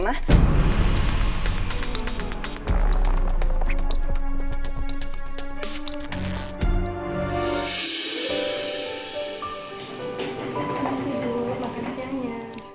makasih bu makasih aja